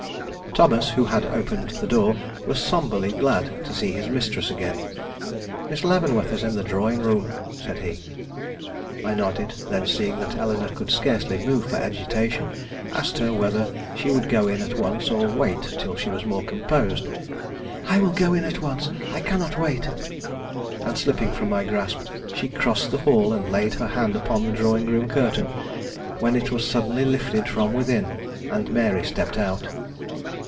Thomas, who had opened the door, was sombrely glad to see his mistress again. "Miss Leavenworth is in the drawing room," said he. I nodded, then seeing that Eleanore could scarcely move for agitation, asked her whether she would go in at once, or wait till she was more composed. "I will go in at once; I cannot wait." And slipping from my grasp, she crossed the hall and laid her hand upon the drawing room curtain, when it was suddenly lifted from within and Mary stepped out.